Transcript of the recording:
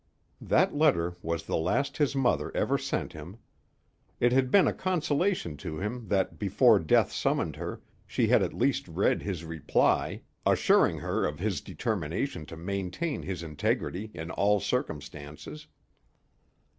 That letter was the last his mother ever sent him. It had been a consolation to him that before death summoned her, she had at least read his reply, assuring her of his determination to maintain his integrity in all circumstances.